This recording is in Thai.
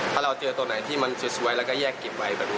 ถ้าเราเจอตัวไหนที่มันสวยแล้วก็แยกเก็บไว้แบบนี้